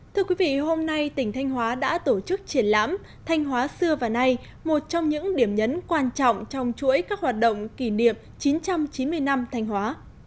thưa quý vị hôm nay tỉnh thanh hóa đã tổ chức triển lãm thanh hóa xưa và nay một trong những điểm nhấn quan trọng trong chuỗi các hoạt động kỷ niệm chín trăm chín mươi năm thanh hóa